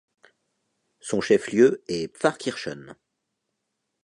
Son chef lieu est Pfarrkirchen.